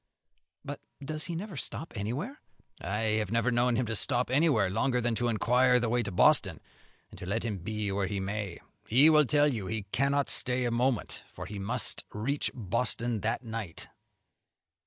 "But does he never stop anywhere?" "I have never known him to stop anywhere longer than to inquire the way to Boston; and, let him be where he may, he will tell you he cannot stay a moment, for he must reach Boston that night."